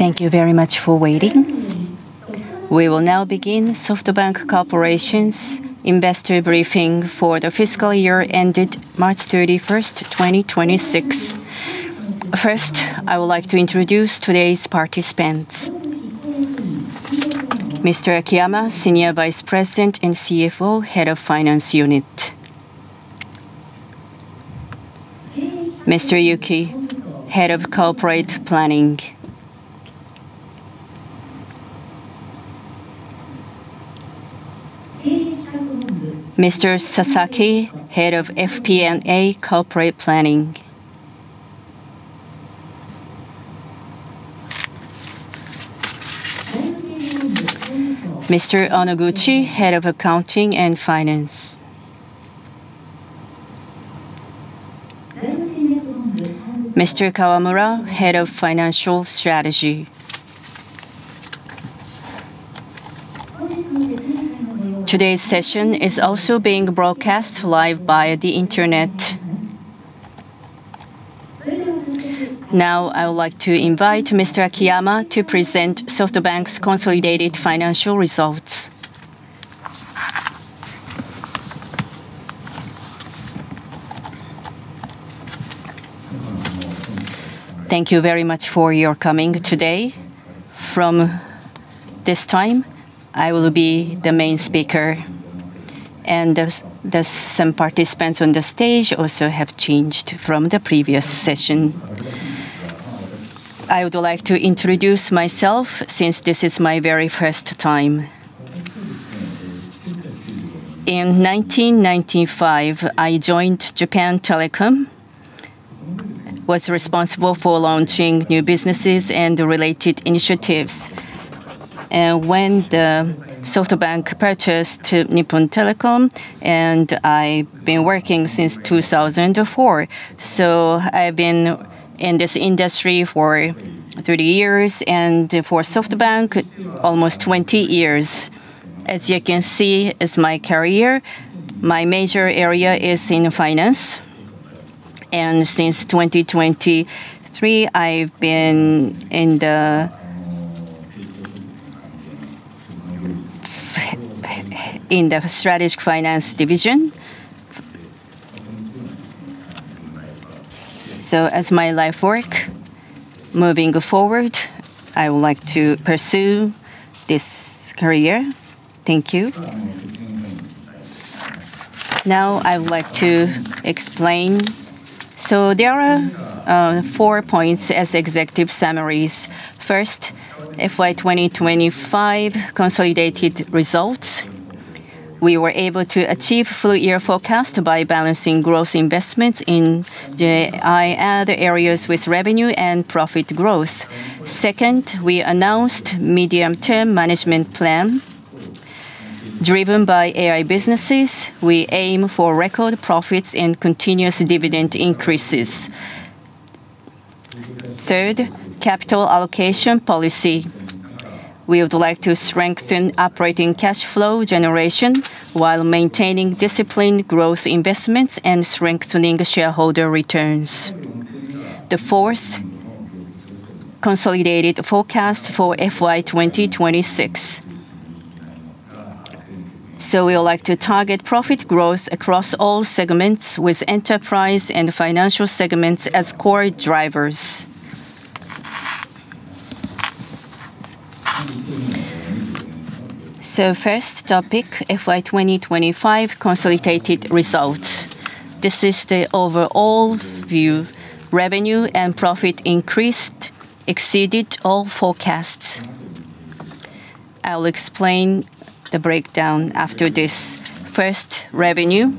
Thank you very much for waiting. We will now begin SoftBank Corp.'s investor briefing for the fiscal year ended March 31st, 2026. First, I would like to introduce today's participants. Mr. Akiyama, Senior Vice President and CFO, Head of Finance Unit. Mr. Yuki, Head of Corporate Planning. Mr. Sasaki, Head of FP&A Corporate Planning. Mr. Onoguchi, Head of Accounting and Finance. Mr. Kawamura, Head of Financial Strategy. Today's session is also being broadcast live via the internet. Now, I would like to invite Mr. Akiyama to present SoftBank's consolidated financial results. Thank you very much for your coming today. From this time, I will be the main speaker and some participants on the stage also have changed from the previous session. I would like to introduce myself since this is my very first time. In 1995, I joined Japan Telecom, was responsible for launching new businesses and the related initiatives. When the SoftBank purchased Japan Telecom, I've been working since 2004. I've been in this industry for 30 years and for SoftBank almost 20 years. As you can see, as my career, my major area is in finance. Since 2023, I've been in the Strategic Finance division. As my life work, moving forward, I would like to pursue this career. Thank you. Now I would like to explain. There are four points as executive summaries. First, FY 2025 consolidated results. We were able to achieve full year forecast by balancing growth investments in the AI and other areas with revenue and profit growth. Second, we announced medium-term management plan. Driven by AI businesses, we aim for record profits and continuous dividend increases. Third, capital allocation policy. We would like to strengthen operating cash flow generation while maintaining disciplined growth investments and strengthening the shareholder returns. Fourth, consolidated forecast for FY 2026. We would like to target profit growth across all segments with enterprise and financial segments as core drivers. First topic, FY 2025 consolidated results. This is the overall view. Revenue and profit increased, exceeded all forecasts. I'll explain the breakdown after this. First, revenue.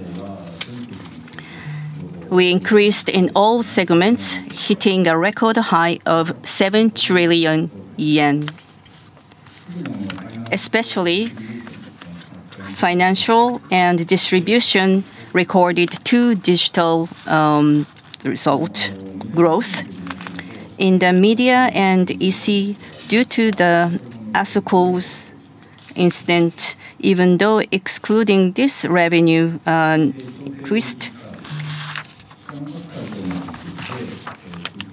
We increased in all segments, hitting a record high of 7 trillion yen. Especially financial and distribution recorded two digital result growth. In the media and EC, due to the ASKUL incident, even though excluding this revenue, increased.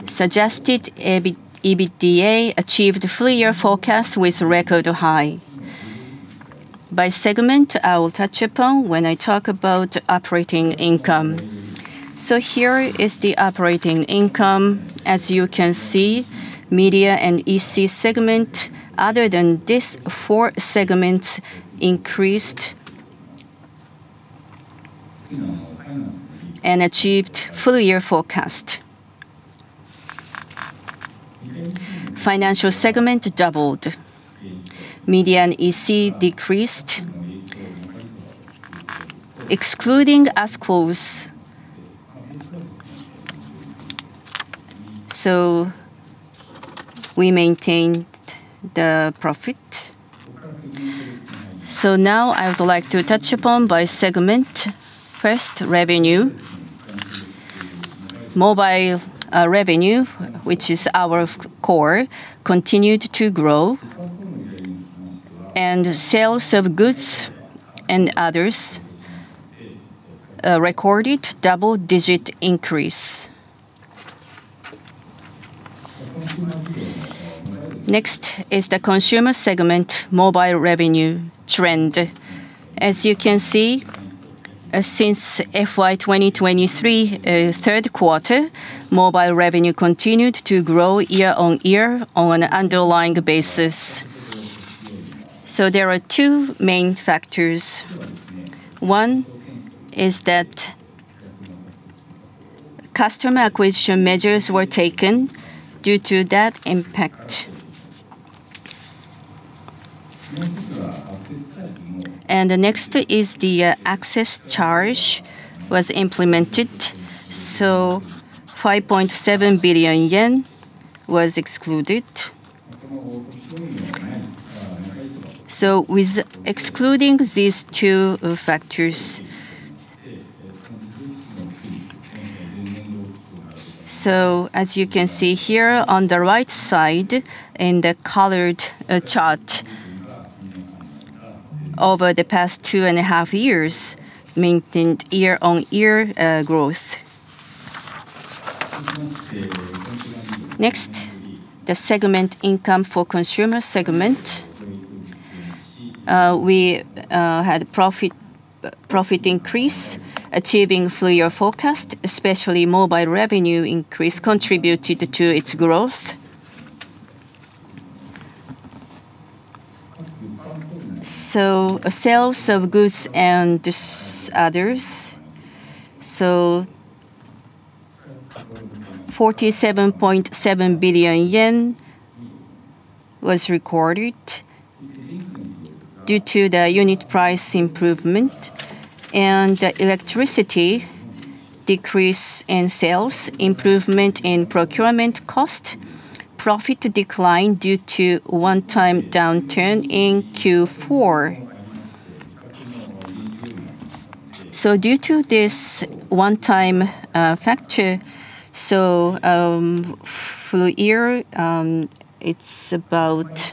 Suggested EBITDA achieved full year forecast with record high. By segment, I will touch upon when I talk about operating income. Here is the operating income. As you can see, Media and EC segment, other than this four segments increased and achieved full year forecast. Financial segment doubled. Media and EC decreased. Excluding ASKUL. We maintained the profit. Now I would like to touch upon by segment. First, revenue. Mobile revenue, which is our core, continued to grow. Sales of goods and others recorded double-digit increase. Next is the Consumer segment mobile revenue trend. As you can see, since FY 2023, third quarter, mobile revenue continued to grow year-on-year on an underlying basis. There are two main factors. One is that customer acquisition measures were taken due to that impact. The next is the access charge was implemented, so 5.7 billion yen was excluded. With excluding these two factors. As you can see here on the right side in the colored chart, over the past 2.5 Years maintained year-on-year growth. Next, the segment income for consumer segment. We had profit increase achieving full year forecast, especially mobile revenue increase contributed to its growth. Sales of goods and just others. JPY 47.7 billion was recorded due to the unit price improvement and electricity decrease in sales, improvement in procurement cost. Profit declined due to one-time downturn in Q4. Due to this one-time factor, for the year, it's about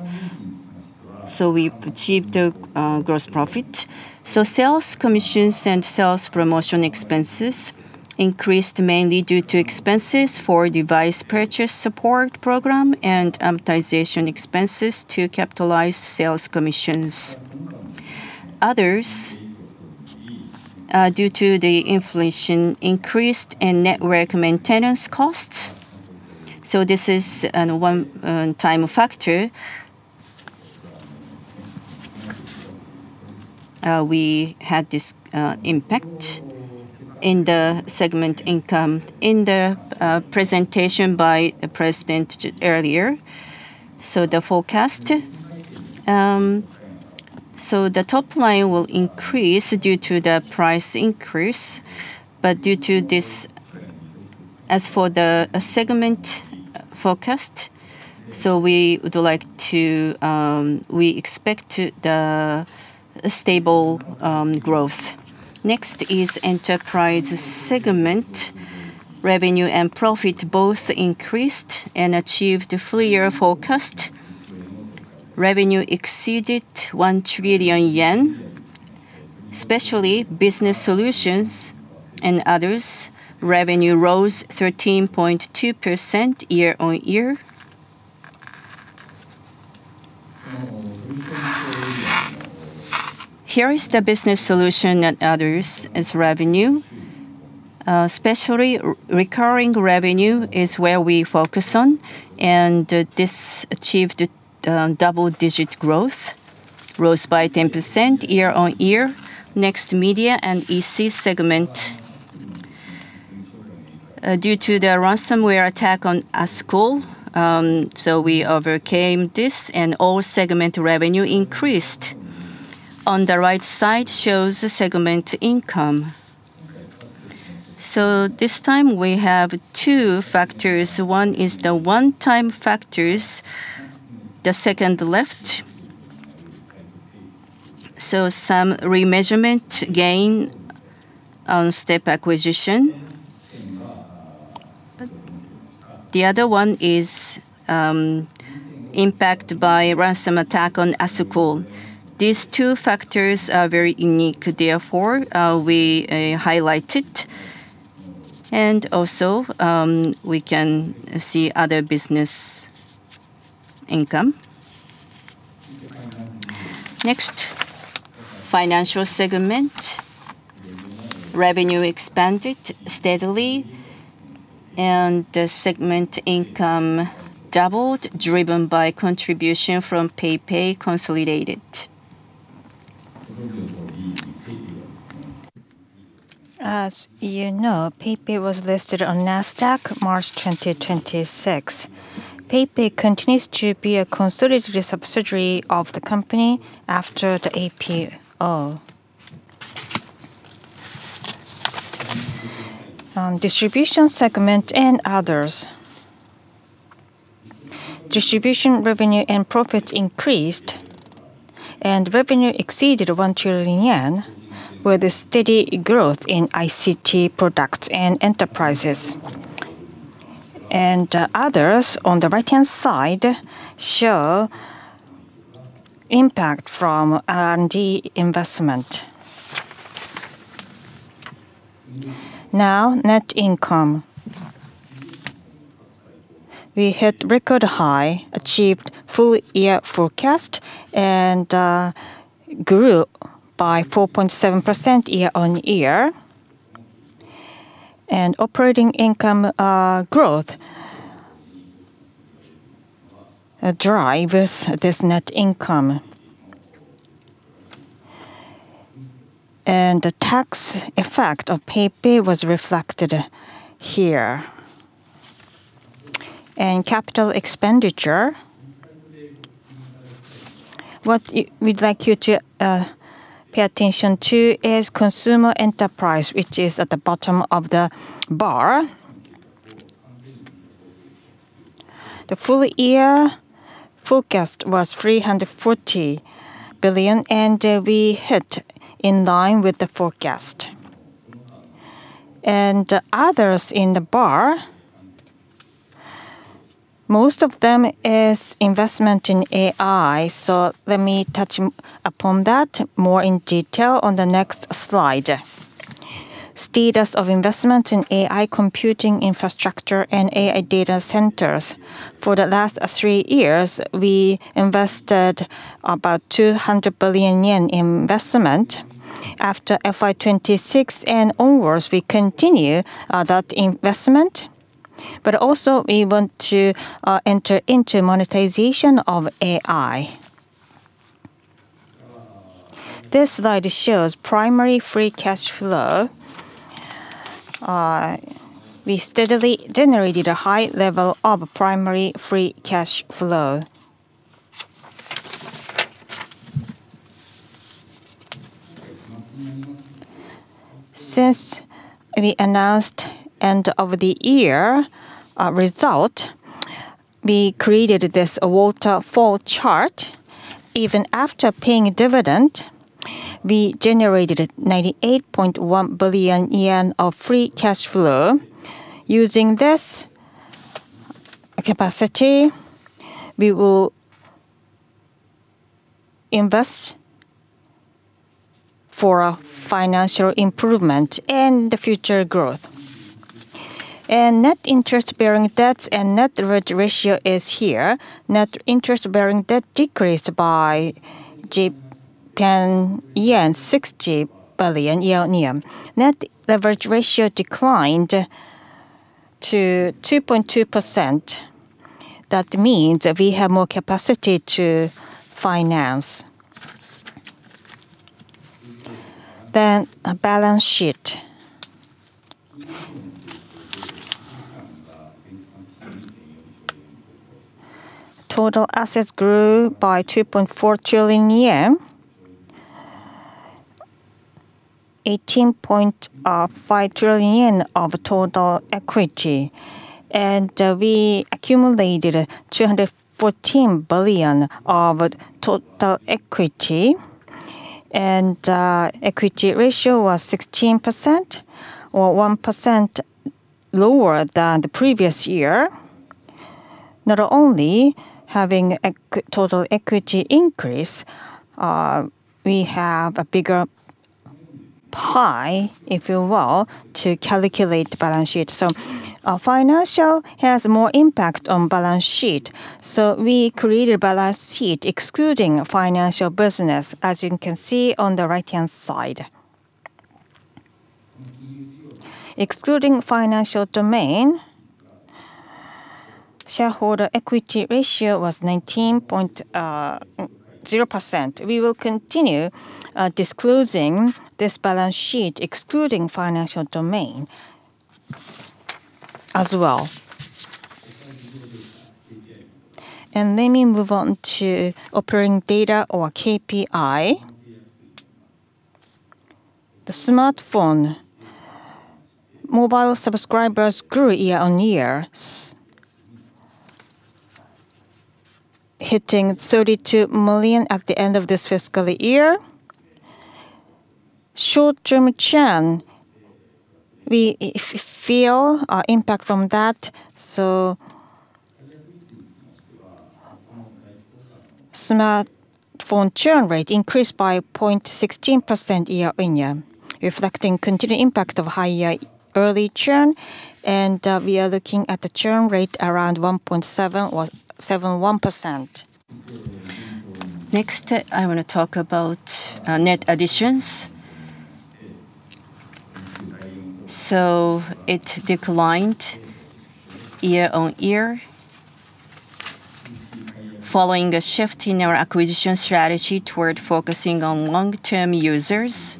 so we've achieved a gross profit. Sales commissions and sales promotion expenses increased mainly due to expenses for device purchase support program and amortization expenses to capitalize sales commissions. Others, due to the inflation increased and network maintenance costs. This is an one time factor. We had this impact in the segment income in the presentation by the president earlier. The top line will increase due to the price increase, but due to this, as for the segment forecast, we would like to, we expect to the stable growth. Next is Enterprise segment. Revenue and profit both increased and achieved a full year forecast. Revenue exceeded 1 trillion yen, especially business solutions and others. Revenue rose 13.2% year-on-year. Here is the business solution and others as revenue. Especially re-recurring revenue is where we focus on and this achieved double digit growth, rose by 10% year-on-year. Next, Media and EC segment. Due to the ransomware attack on ASKUL. We overcame this and all segment revenue increased. On the right side shows the segment income. This time we have two factors. One is the one-time factors. The second left. Some remeasurement gain on step acquisition. The other one is impact by ransom attack on ASKUL. These two factors are very unique, therefore, we highlight it. We can see other business income. Next, Financial segment. Revenue expanded steadily, and the segment income doubled, driven by contribution from PayPay consolidated. As you know, PayPay was listed on Nasdaq March 2026. PayPay continues to be a consolidated subsidiary of the company after the IPO. Distribution segment and others. Distribution revenue and profits increased, and revenue exceeded 1 trillion yen with a steady growth in ICT products and enterprises. Others on the right-hand side show Impact from R&D investment. Now net income. We hit record high, achieved full year forecast, and grew by 4.7% year-on-year. Operating income growth drive this net income. The tax effect of PayPay was reflected here. CapEx, what we'd like you to pay attention to is consumer enterprise, which is at the bottom of the bar. The full year forecast was 340 billion, and we hit in line with the forecast. Others in the bar, most of them is investment in AI, so let me touch upon that more in detail on the next slide. Status of investment in AI computing infrastructure and AI data centers. For the last three years we invested about 200 billion yen investment. After FY 2026 and onwards, we continue that investment, but also we want to enter into monetization of AI. This slide shows primary free cash flow. We steadily generated a high level of primary free cash flow. Since we announced end of the year result, we created this waterfall chart. Even after paying dividend, we generated -98.1 billion yen of free cash flow. Using this capacity, we will invest for financial improvement and future growth. Net interest-bearing debts and net debt ratio is here. Net interest-bearing debt decreased by 60 billion yen year. Net leverage ratio declined to 2.2%. That means we have more capacity to finance. Balance sheet. Total assets grew by 2.4 trillion yen. 18.5 trillion yen of total equity. We accumulated 214 billion of total equity. Equity ratio was 16% or 1% lower than the previous year. Not only having total equity increase, we have a bigger pie, if you will, to calculate balance sheet. Financial has more impact on balance sheet, so we created balance sheet excluding financial business, as you can see on the right-hand side. Excluding financial domain, shareholder equity ratio was 19.0%. We will continue disclosing this balance sheet excluding financial domain as well. Let me move on to operating data or KPI. The smartphone mobile subscribers grew year-on-year, hitting 32 million at the end of this fiscal year. Short-term churn, we feel impact from that, so smartphone churn rate increased by 0.16% year-on-year, reflecting continued impact of higher early churn, and we are looking at the churn rate around 1.7 or 71%. Next, I want to talk about net additions. It declined year-on-year following a shift in our acquisition strategy toward focusing on long-term users.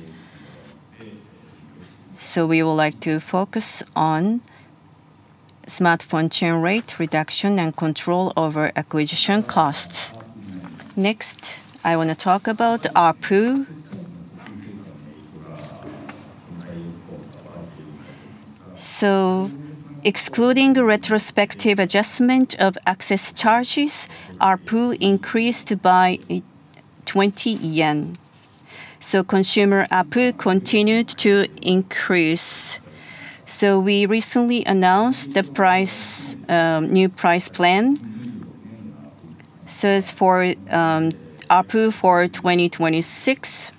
We would like to focus on smartphone churn rate reduction and control over acquisition costs. Next, I want to talk about ARPU. Excluding retrospective adjustment of access charges, ARPU increased by 20 yen. Consumer ARPU continued to increase. We recently announced the new price plan. As for ARPU for 2026,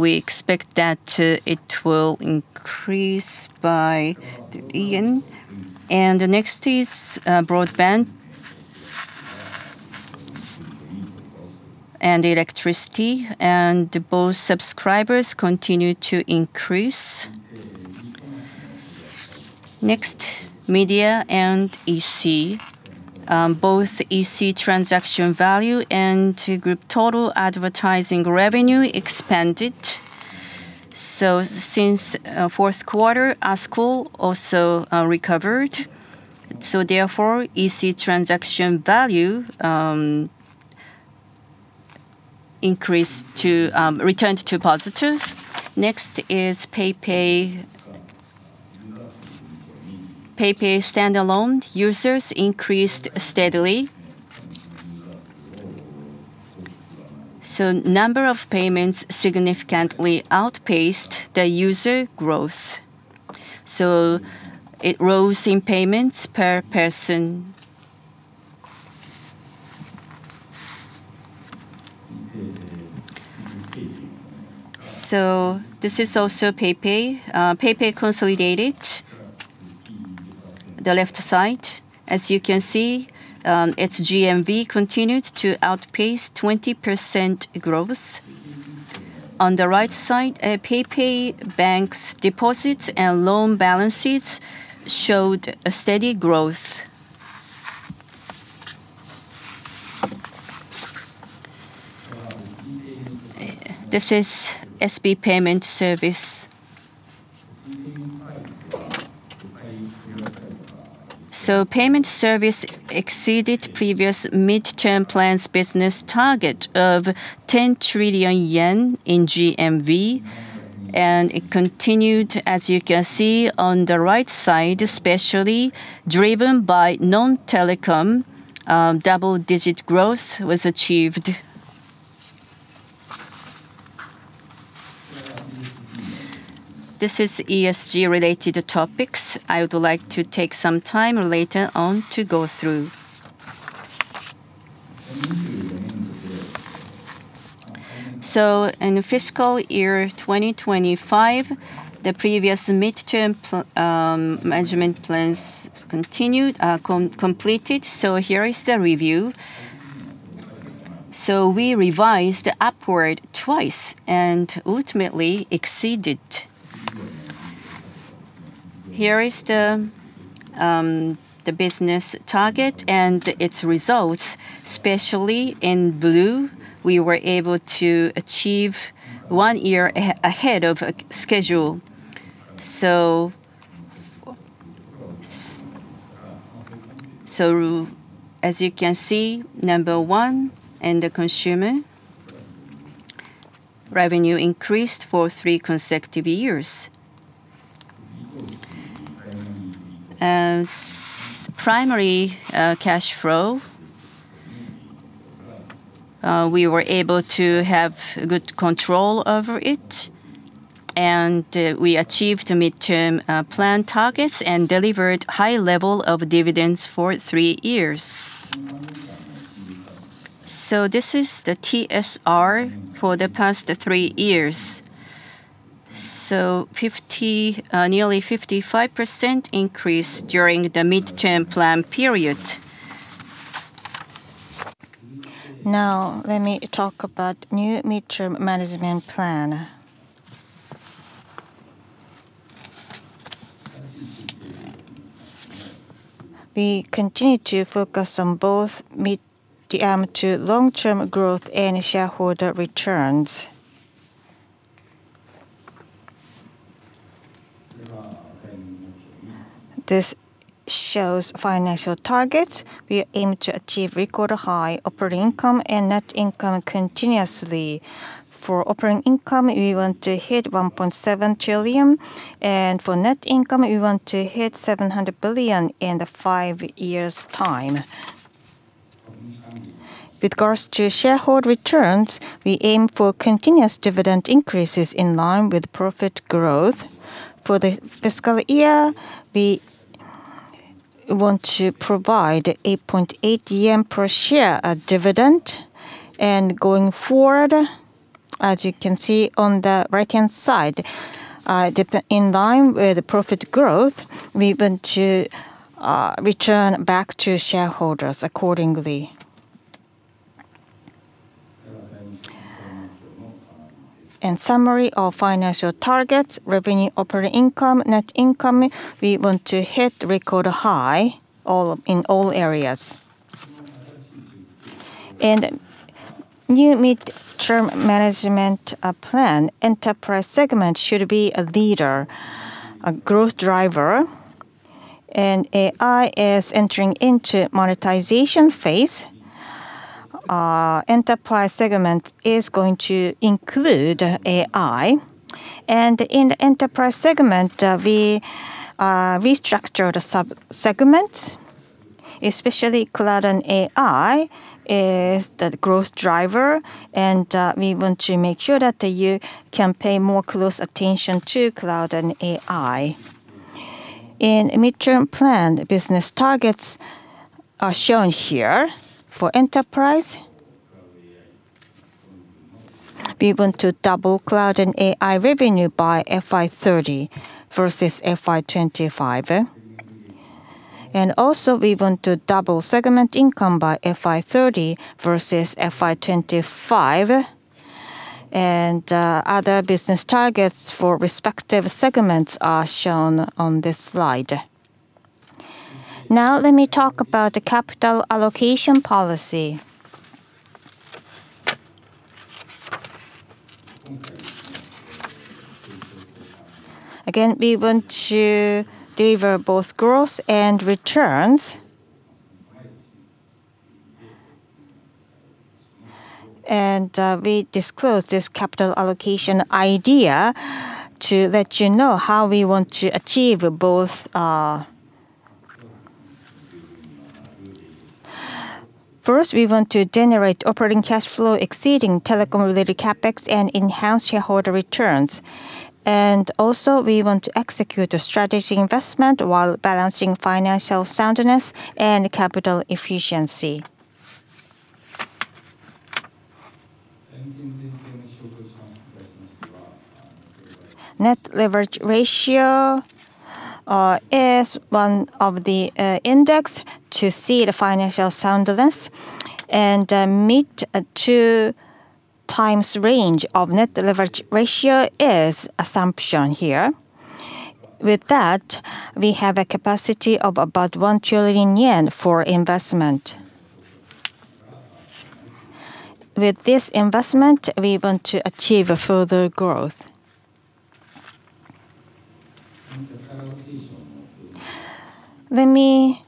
we expect that it will increase by the yen. The next is broadband, and electricity, and both subscribers continue to increase. Next, Media and EC. Both EC transaction value and to group total advertising revenue expanded. Since fourth quarter, ASKUL also recovered. Therefore, EC transaction value returned to positive. Next is PayPay. PayPay standalone users increased steadily. Number of payments significantly outpaced the user growth. It rose in payments per person. This is also PayPay. PayPay consolidated. The left side, as you can see, its GMV continued to outpace 20% growth. On the right side, PayPay Bank's deposits and loan balances showed a steady growth. This is SB Payment Service. Payment Service exceeded previous midterm plans business target of 10 trillion yen in GMV, and it continued, as you can see on the right side, especially driven by non-telecom, double-digit growth was achieved. This is ESG-related topics. I would like to take some time later on to go through. In the fiscal year 2025, the previous midterm management plans completed. Here is the review. We revised upward twice and ultimately exceeded. Here is the business target and its results, especially in blue, we were able to achieve one year ahead of schedule. As you can see, number 1, end consumer revenue increased for three consecutive years. As primary cash flow, we were able to have good control over it, and we achieved the midterm plan targets and delivered high level of dividends for three years. This is the TSR for the past three years. Nearly 55% increase during the midterm plan period. Now let me talk about new midterm management plan. We continue to focus on both mid-term to long-term growth and shareholder returns. This shows financial targets. We aim to achieve record high operating income and net income continuously. For operating income, we want to hit 1.7 trillion, and for net income, we want to hit 700 billion in the five years' time. With regards to shareholder returns, we aim for continuous dividend increases in line with profit growth. For the fiscal year, we want to provide 8.8 yen per share dividend. Going forward, as you can see on the right-hand side, in line with the profit growth, we want to return back to shareholders accordingly. Summary of financial targets, revenue, operating income, net income, we want to hit record high all, in all areas. New midterm management plan, enterprise segment should be a leader, a growth driver, and AI is entering into monetization phase. Enterprise segment is going to include AI. In enterprise segment, we restructured a subsegment. Especially cloud and AI is the growth driver, and we want to make sure that you can pay more close attention to cloud and AI. In midterm plan, business targets are shown here for Enterprise. We want to double cloud and AI revenue by FY 2030 versus FY 2025. Also, we want to double segment income by FY 2030 versus FY 2025. Other business targets for respective segments are shown on this slide. Now let me talk about the capital allocation policy. Again, we want to deliver both growth and returns. We disclose this capital allocation idea to let you know how we want to achieve both. First, we want to generate operating cash flow exceeding telecom-related CapEx and enhance shareholder returns. Also, we want to execute a strategy investment while balancing financial soundness and capital efficiency. Net leverage ratio is one of the index to see the financial soundness. Mid to times range of net leverage ratio is assumption here. With that, we have a capacity of about 1 trillion yen for investment. With this investment, we want to achieve further growth. Let me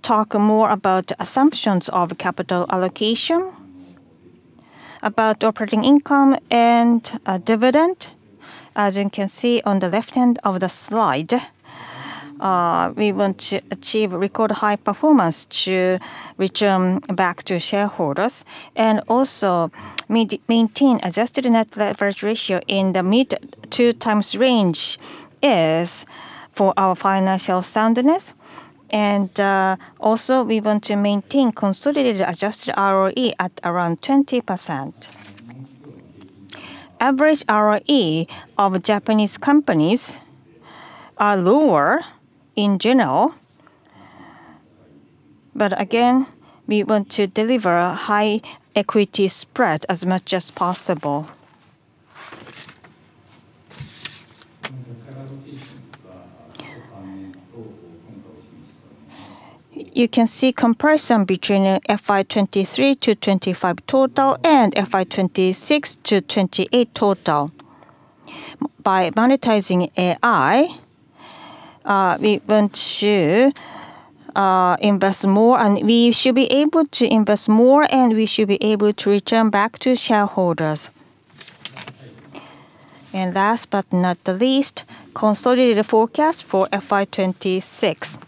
talk more about assumptions of capital allocation, about operating income, dividend. As you can see on the left-hand of the slide, we want to achieve record high performance to return back to shareholders. Also, maintain adjusted net leverage ratio in the mid-two times range is for our financial soundness. Also, we want to maintain consolidated adjusted ROE at around 20%. Average ROE of Japanese companies are lower in general. Again, we want to deliver high equity spread as much as possible. You can see comparison between FY 2023 to 2025 total and FY 2026 to 2028 total. By monetizing AI, we want to invest more and we should be able to invest more, and we should be able to return back to shareholders. Last but not the least, consolidated forecast for FY 2026.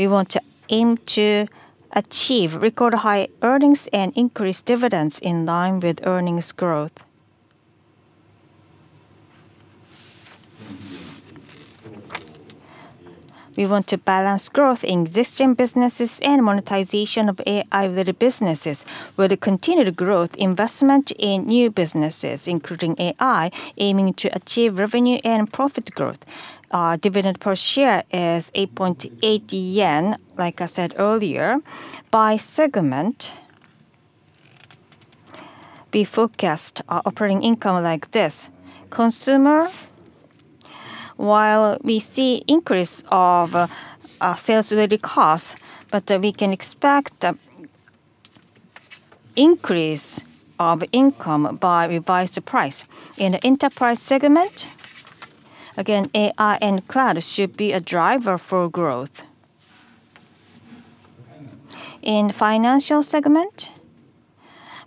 We want to aim to achieve record high earnings and increase dividends in line with earnings growth. We want to balance growth in existing businesses and monetization of AI-related businesses with the continued growth investment in new businesses, including AI, aiming to achieve revenue and profit growth. Our dividend per share is 8.80 yen, like I said earlier. By segment, we forecast our operating income like this. Consumer, while we see increase of sales-related costs, but we can expect a increase of income by revised price. In enterprise segment, again, AI and cloud should be a driver for growth. In financial segment,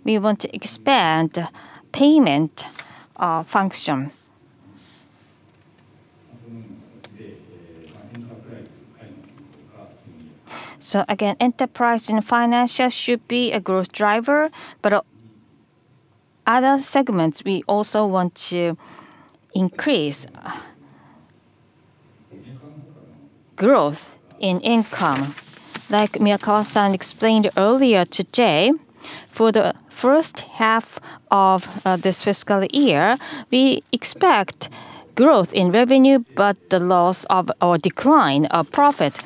we want to expand payment function. Again, enterprise and financial should be a growth driver. Other segments, we also want to increase growth in income. Like Miyakawa-san explained earlier today, for the first half of this fiscal year, we expect growth in revenue, the loss of, or decline of profit.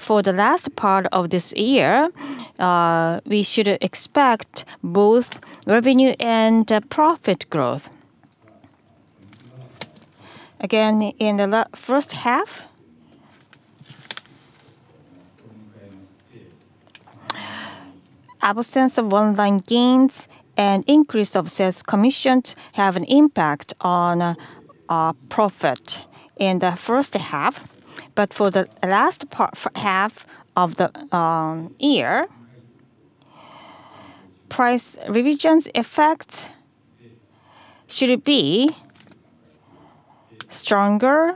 For the last part of this year, we should expect both revenue and profit growth. Again, in the first half, absence of one-time gains and increase of sales commissions have an impact on profit in the first half. Price revisions effect should be stronger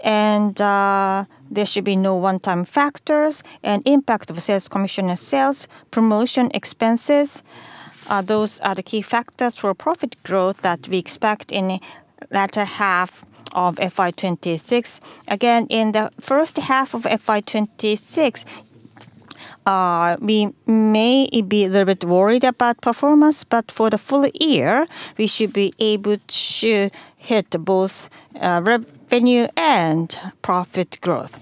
and there should be no one-time factors and impact of sales commission and sales promotion expenses. Those are the key factors for profit growth that we expect in latter half of FY 2026. Again, in the first half of FY 2026, we may be a little bit worried about performance, but for the full year, we should be able to hit both revenue and profit growth.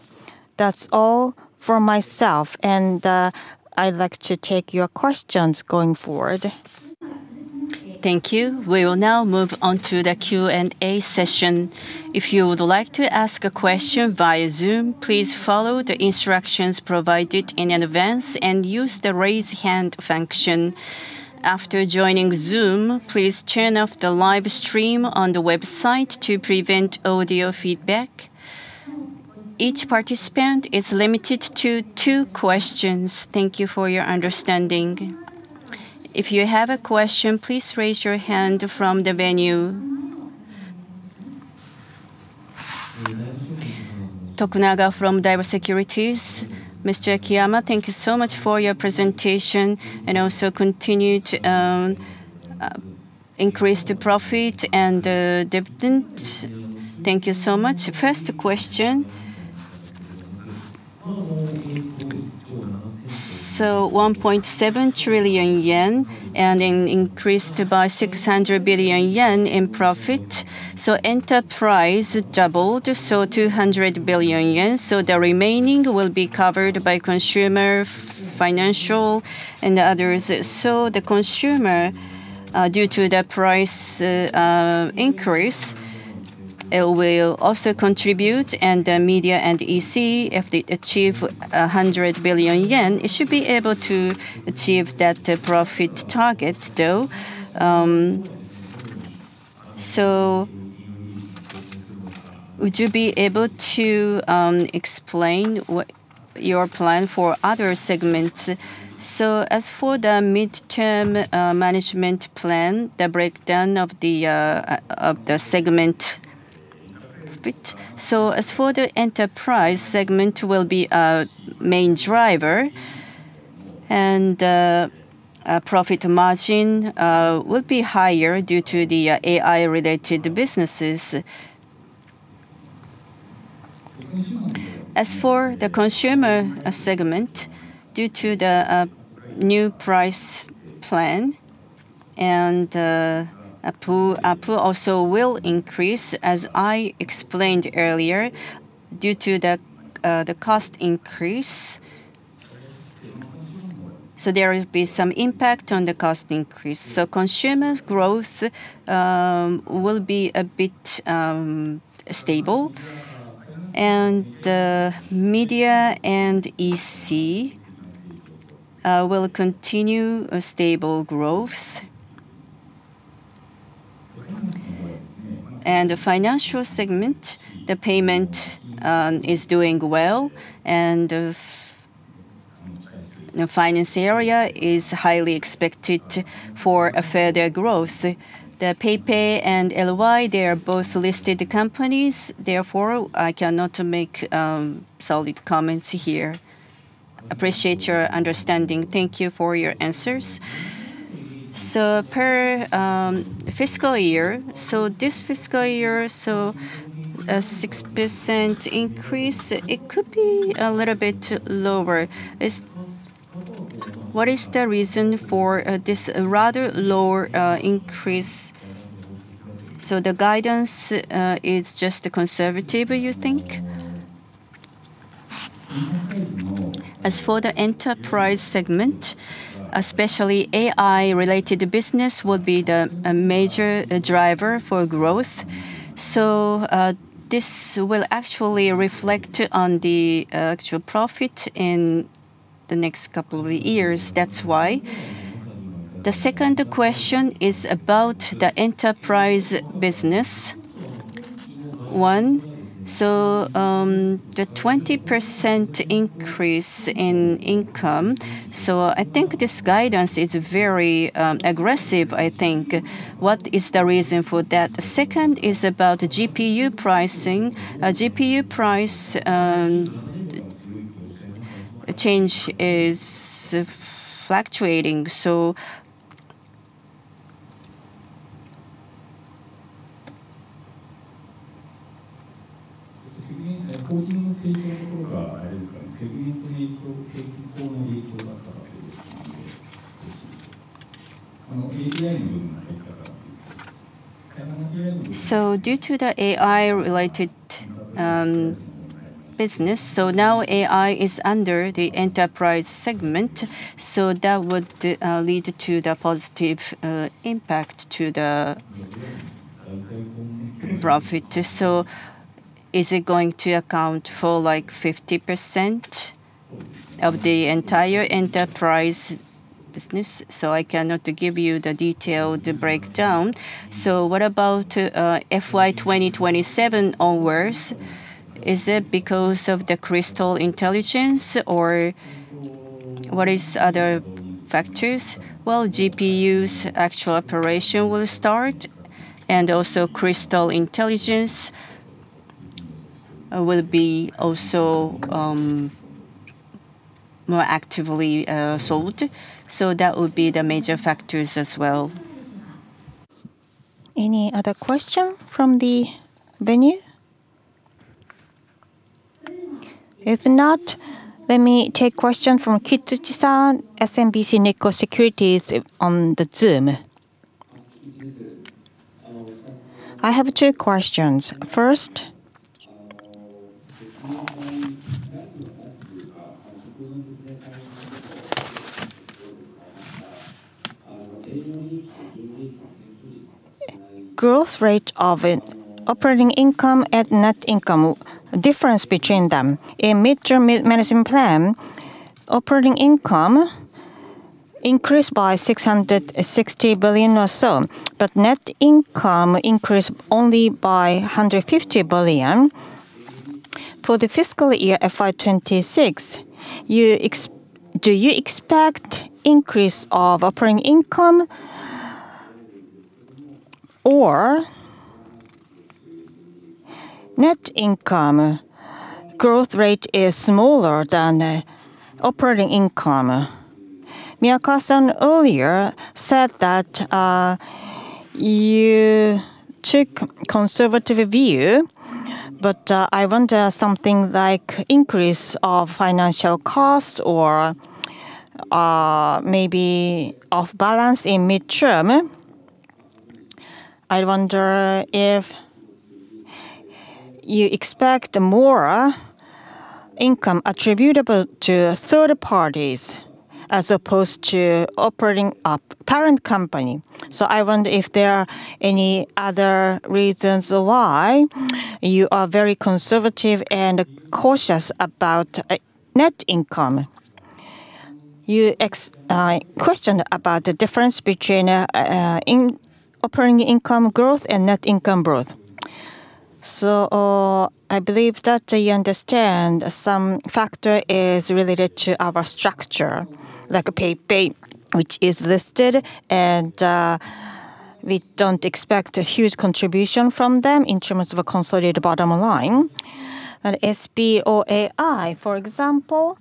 That's all for myself, and I'd like to take your questions going forward. Thank you. We will now move on to the Q&A session. If you would like to ask a question via Zoom, please follow the instructions provided in advance and use the Raise Hand function. After joining Zoom, please turn off the live stream on the website to prevent audio feedback. Each participant is limited to two questions. Thank you for your understanding. If you have a question, please raise your hand from the venue. Tokunaga from Daiwa Securities. Mr. Akiyama, thank you so much for your presentation, and also continue to increase the profit and dividend. Thank you so much. First question. 1.7 trillion yen and increased by 600 billion yen in profit. Enterprise doubled, so 200 billion yen. The remaining will be covered by consumer, financial and others. The consumer, due to the price, increase, it will also contribute and the media and EC, if they achieve 100 billion yen, it should be able to achieve that profit target though. Would you be able to explain your plan for other segments? As for the midterm, management plan, the breakdown of the segment. As for the enterprise segment will be a main driver and a profit margin would be higher due to the AI-related businesses. As for the consumer segment, due to the new price plan and ARPU also will increase, as I explained earlier, due to the cost increase. There will be some impact on the cost increase. Consumers growth will be a bit stable. Media and EC will continue a stable growth. The financial segment, the payment, is doing well and the finance area is highly expected for a further growth. PayPay and LY, they are both listed companies, therefore I cannot make solid comments here. Appreciate your understanding. Thank you for your answers. This fiscal year, a 6% increase, it could be a little bit lower. What is the reason for this rather lower increase? The guidance is just conservative, you think? As for the enterprise segment, especially AI-related business would be a major driver for growth. This will actually reflect on the actual profit in the next couple of years. That's why. The second question is about the enterprise business. One, the 20% increase in income. I think this guidance is very aggressive, I think. What is the reason for that? The second is about GPU pricing. A GPU price change is fluctuating. Due to the AI-related business. Now AI is under the enterprise segment, that would lead to the positive impact to the profit. Is it going to account for like 50% of the entire enterprise business? I cannot give you the detailed breakdown. What about FY 2027 onwards? Is it because of the Crystal intelligence or? What is other factors? Well, GPU's actual operation will start. Also Crystal intelligence will be also more actively sold. That would be the major factors as well. Any other question from the venue? If not, let me take question from Kikuchi-san, SMBC Nikko Securities on the Zoom. I have two questions. Growth rate of it, operating income and net income, difference between them. In mid-term management plan, operating income increased by 660 billion or so, net income increased only by 150 billion. For the fiscal year FY 2026, do you expect increase of operating income or net income growth rate is smaller than the operating income? Miyakawa-san earlier said that you took conservative view, I wonder something like increase of financial cost or maybe off balance in mid-term. I wonder if you expect more income attributable to third parties as opposed to operating a parent company. I wonder if there are any other reasons why you are very conservative and cautious about net income. You questioned about the difference between operating income growth and net income growth. I believe that you understand some factor is related to our structure, like a PayPay which is listed and we don't expect a huge contribution from them in terms of a consolidated bottom line. SB OAI, for example,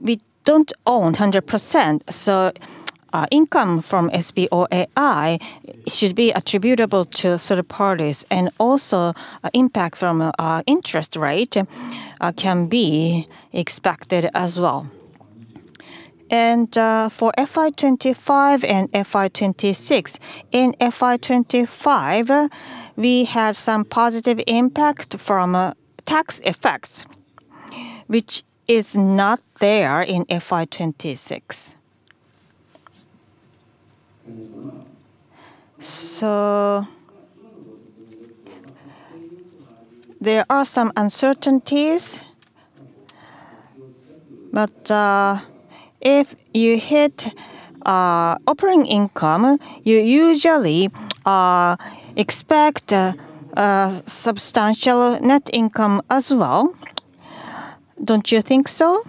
we don't own 100%, so income from SB OAI should be attributable to third parties and also impact from interest rate can be expected as well. For FY 2025 and FY 2026. In FY 2025, we had some positive impact from tax effects, which is not there in FY 2026. There are some uncertainties. If you hit operating income, you usually expect a substantial net income as well. Don't you think so?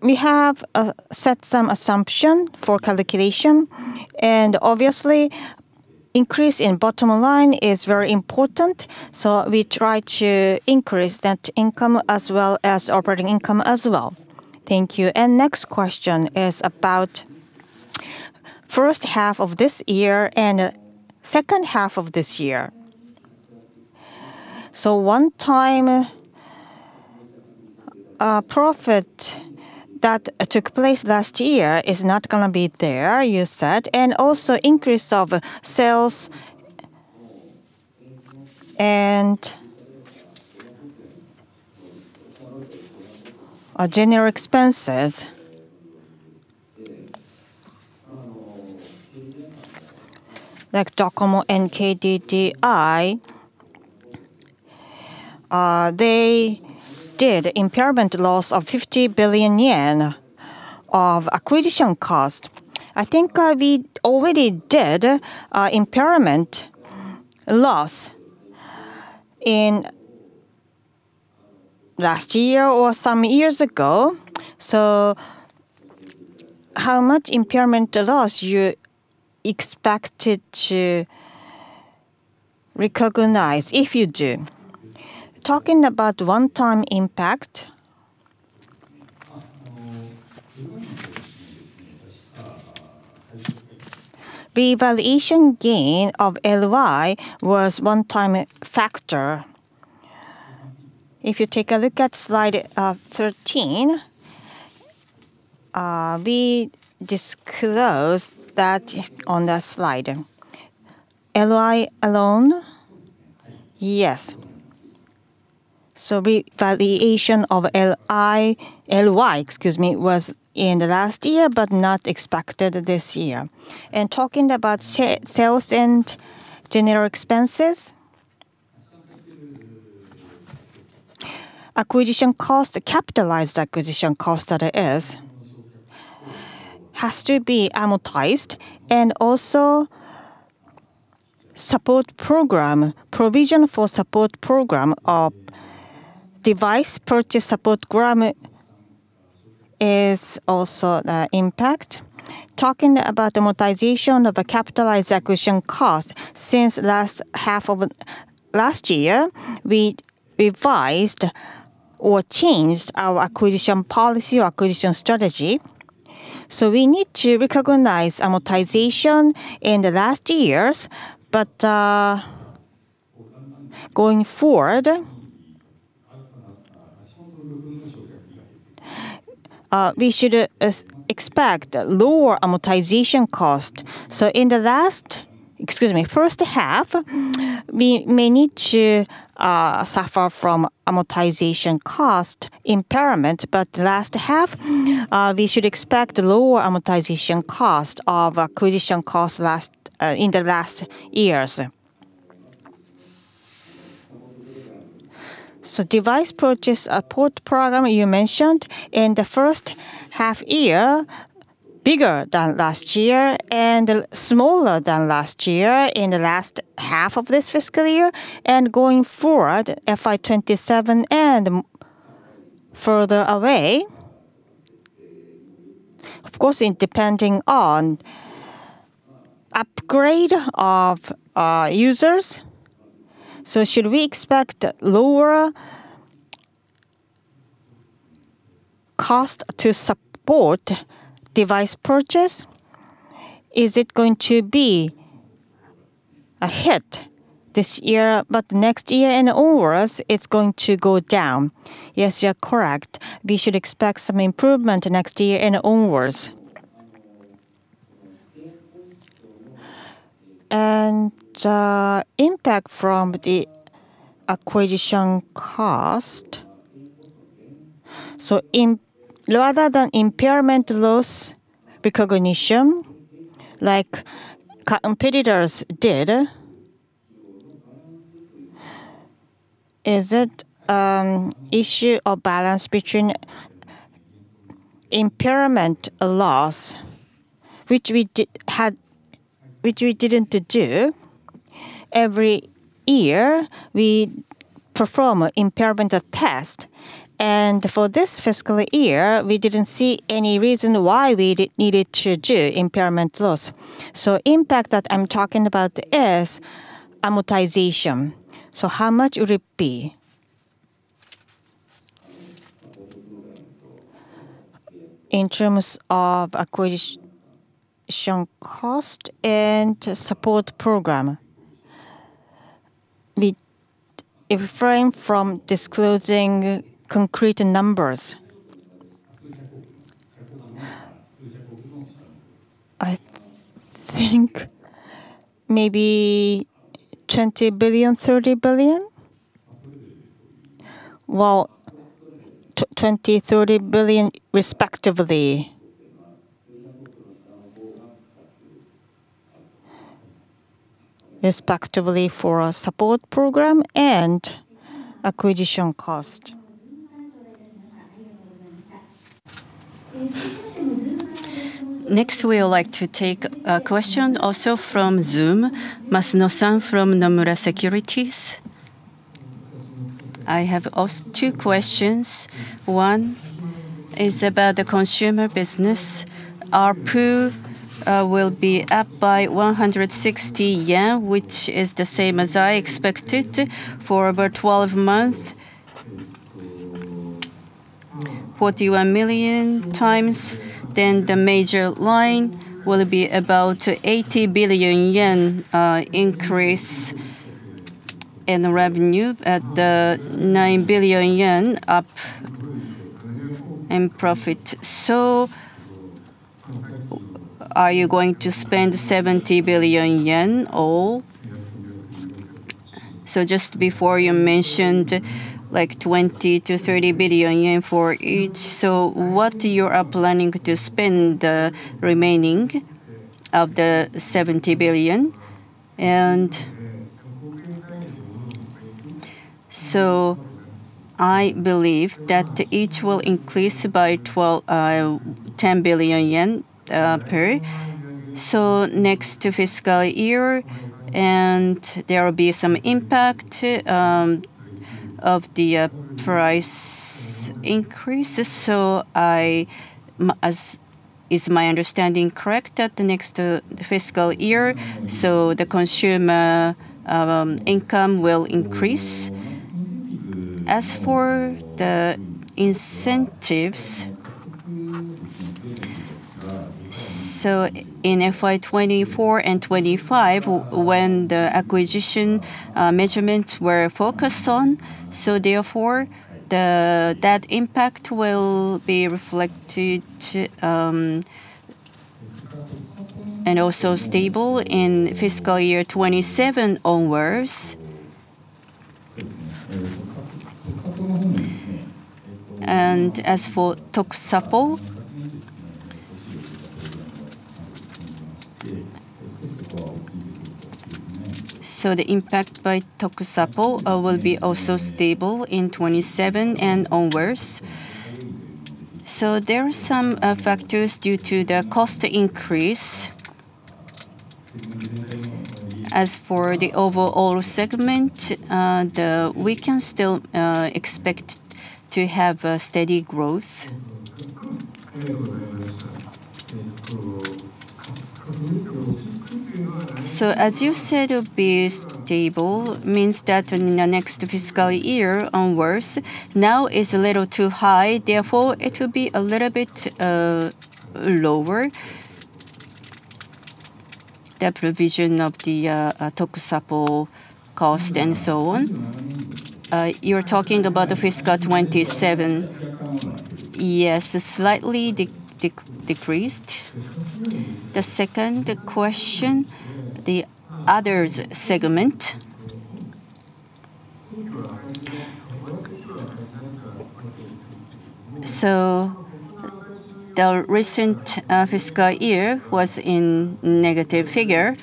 Well, we have set some assumption for calculation and obviously increase in bottom line is very important, so we try to increase that income as well as operating income as well. Thank you. Next question is about first half of this year and second half of this year. One time profit that took place last year is not gonna be there, you said, and also increase of sales and general expenses, like Docomo and KDDI, they did impairment loss of 50 billion yen of acquisition cost. I think we already did impairment loss in last year or some years ago. How much impairment loss you expected to recognize if you do? Talking about one-time impact. The valuation gain of LY was one-time factor. If you take a look at slide 13, we disclose that on the slide. LY alone? Yes. Revaluation of LY, excuse me, was in the last year, but not expected this year. Talking about sales and general expenses. Acquisition cost, capitalized acquisition cost that is, has to be amortized. Also support program, provision for support program of device purchase support program is also impact. Talking about amortization of a capitalized acquisition cost, since last half of last year, we revised or changed our acquisition policy or acquisition strategy. We need to recognize amortization in the last years. Going forward, we should expect lower amortization cost. In the first half, excuse me, we may need to suffer from amortization cost impairment, Last half, we should expect lower amortization cost of acquisition cost in the last years. Device purchase support program you mentioned in the first half year, bigger than last year and smaller than last year in the last half of this fiscal year. Going forward, FY 2027 and further away, of course, it depending on upgrade of users. Should we expect lower cost to support device purchase? Is it going to be a hit this year, but next year and onwards it's going to go down? Yes, you are correct. We should expect some improvement next year and onwards. Impact from the acquisition cost. Rather than impairment loss recognition like co-competitors did, is it issue of balance between impairment loss which we didn't do every year we perform impairment test. For this fiscal year, we didn't see any reason why we needed to do impairment loss. Impact that I'm talking about is amortization. How much would it be? In terms of acquisition cost and support program, we refrain from disclosing concrete numbers. I think maybe 20 billion, 30 billion. Well, 20 billion, 30 billion respectively. Respectively for our support program and acquisition cost. Next, we would like to take a question also from Zoom. Masuno-san from Nomura Securities. I have two questions. One is about the consumer business. ARPU will be up by 160 yen, which is the same as I expected for over 12 months. 41 million times, the major line will be about to 80 billion yen increase in the revenue at the 9 billion yen up in profit. Are you going to spend 70 billion yen all? Just before you mentioned like 20 billion-30 billion yen for each. What you are planning to spend the remaining of the 70 billion? I believe that each will increase by 10 billion yen per. Next fiscal year and there will be some impact of the price increase. Is my understanding correct that the next fiscal year, the consumer income will increase? As for the incentives, in FY 2024 and 2025 when the acquisition measurements were focused on, that impact will be reflected and also stable in fiscal year 2027 onwards. As for Tokusapo, the impact by Tokusapo will be also stable in 2027 and onwards. There are some factors due to the cost increase. As for the overall segment, we can still expect to have a steady growth. As you said, it will be stable means that in the next fiscal year onwards, now is a little too high, therefore it will be a little bit lower. The provision of the Tokusapo cost and so on. You are talking about the fiscal 2027. Yes, slightly decreased. The second question, the others segment. The recent fiscal year was in negative figure,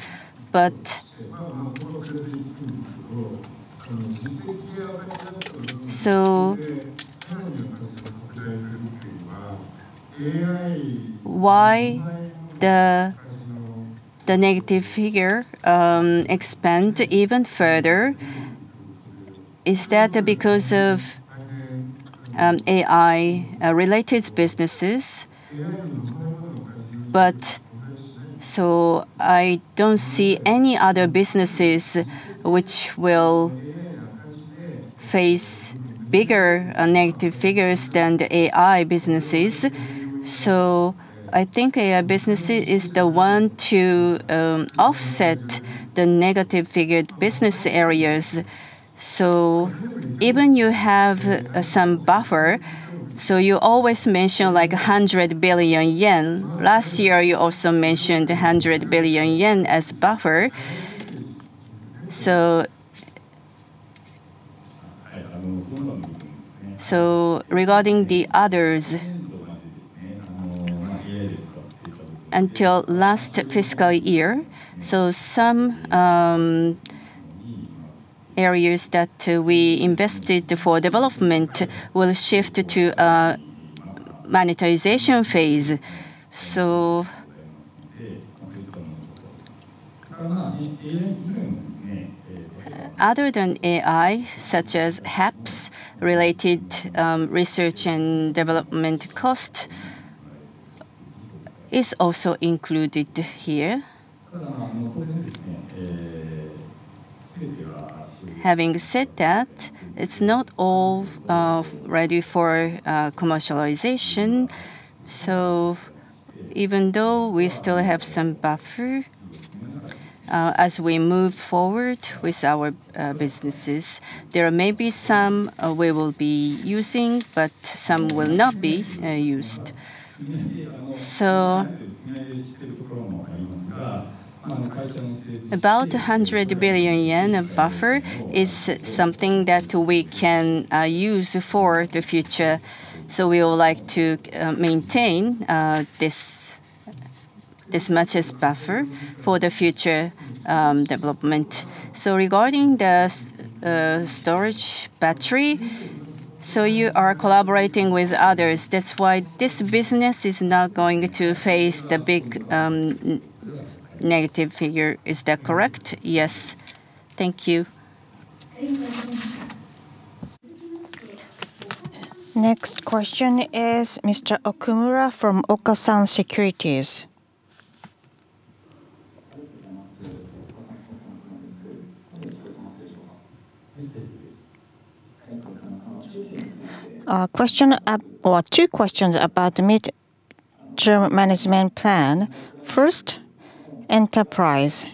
why the negative figure expand even further? Is that because of AI related businesses? I don't see any other businesses which will face bigger negative figures than the AI businesses. I think AI businesses is the one to offset the negative figured business areas. Even you have some buffer. You always mention like 100 billion yen. Last year you also mentioned 100 billion yen as buffer. Regarding the others. Until last fiscal year. Some areas that we invested for development will shift to monetization phase. Other than AI, such as HAPS related research and development cost is also included here. Having said that, it's not all ready for commercialization. Even though we still have some buffer, as we move forward with our businesses, there may be some we will be using, but some will not be used. About 100 billion yen of buffer is something that we can use for the future. We would like to maintain this much as buffer for the future development. Regarding the storage battery. You are collaborating with others, that's why this business is not going to face the big negative figure. Is that correct? Yes. Thank you. Next question is Mr. Okumura from Okasan Securities. Question or two questions about mid-term management plan. First, enterprise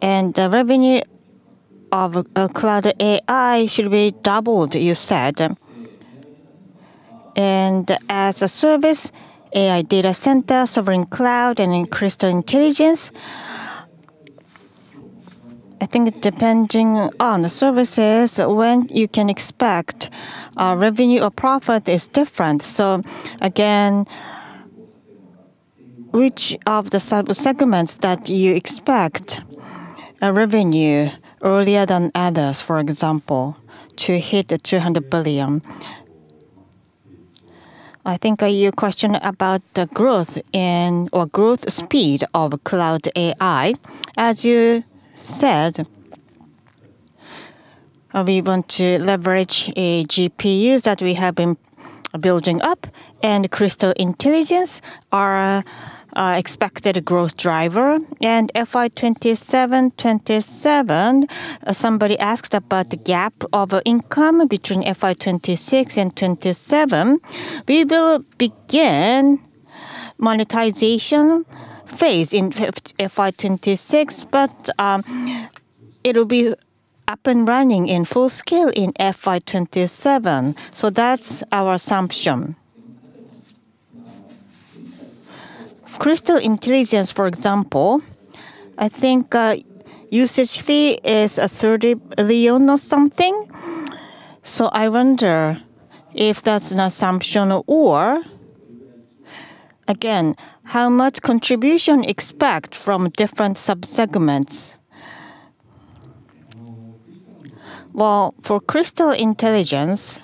and the revenue of cloud AI should be doubled you said. As a service, AI data center, sovereign cloud, and Crystal intelligence. I think depending on the services, when you can expect revenue or profit is different. Again, which of the segments that you expect a revenue earlier than others, for example, to hit the 200 billion? I think your question about the growth and/or growth speed of cloud AI. As you said, we want to leverage GPUs that we have been building up. Crystal Intelligence are expected growth driver. FY 2027, somebody asked about the gap of income between FY 2026 and 2027. We will begin monetization phase in FY 2026. It'll be up and running in full scale in FY 2027. That's our assumption. Crystal Intelligence, for example, I think usage fee is 30 billion or something. I wonder if that's an assumption or, again, how much contribution expect from different sub-segments. For Crystal intelligence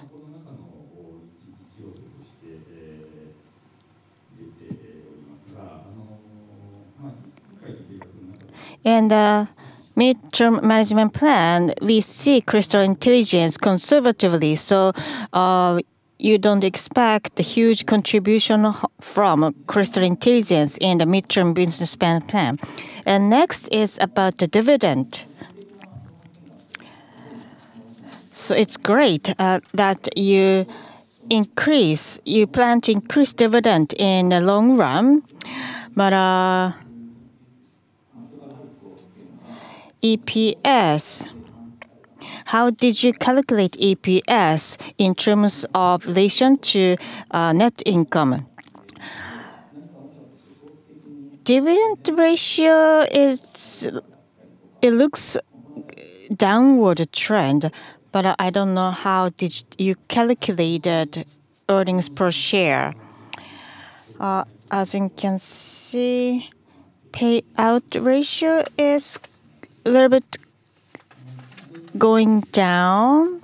In the midterm management plan, we see Crystal intelligence conservatively. You don't expect the huge contribution from Crystal intelligence in the midterm business plan. Next is about the dividend. It's great that you plan to increase dividend in the long run. EPS, how did you calculate EPS in terms of relation to net income? Dividend ratio is, it looks downward trend, but I don't know how did you calculate that earnings per share. As you can see, payout ratio is a little bit going down.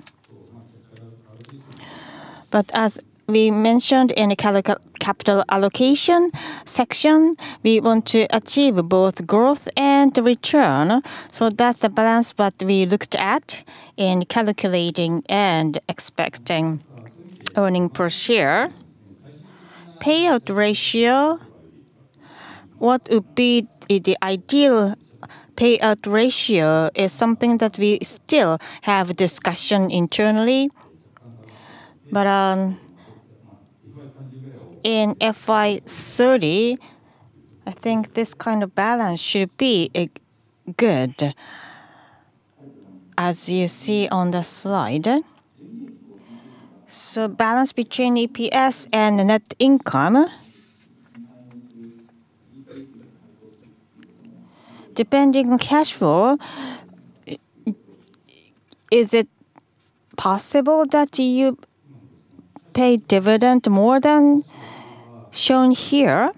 As we mentioned in the capital allocation section, we want to achieve both growth and return. That's the balance what we looked at in calculating and expecting EPS. Payout ratio, what would be the ideal payout ratio is something that we still have discussion internally. In FY 2030, I think this kind of balance should be good, as you see on the slide. Balance between EPS and net income. Depending on cash flow, is it possible that you pay dividend more than shown here?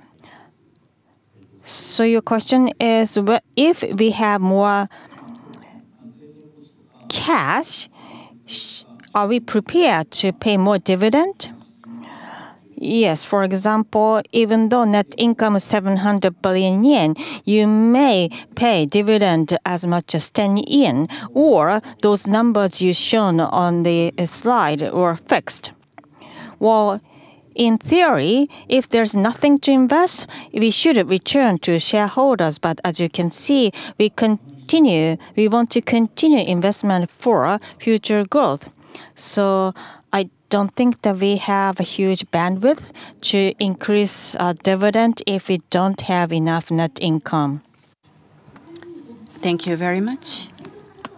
Your question is if we have more cash, are we prepared to pay more dividend? Yes. For example, even though net income is 700 billion yen, you may pay dividend as much as 10 yen, or those numbers you've shown on the slide were fixed. Well, in theory, if there's nothing to invest, we should return to shareholders. As you can see, we want to continue investment for future growth. I don't think that we have a huge bandwidth to increase dividend if we don't have enough net income. Thank you very much.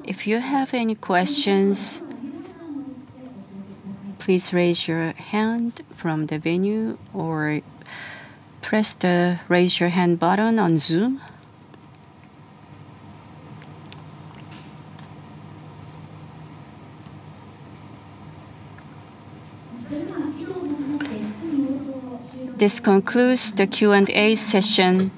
If you have any questions, please raise your hand from the venue or press the Raise Your Hand button on Zoom. This concludes the Q&A session.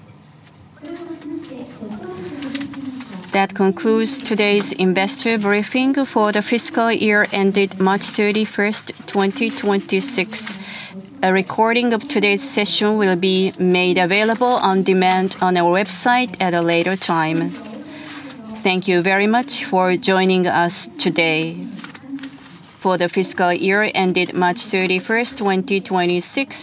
That concludes today's investor briefing for the fiscal year ended March 31st 2026. A recording of today's session will be made available on demand on our website at a later time. Thank you very much for joining us today for the fiscal year ended March 31st 2026.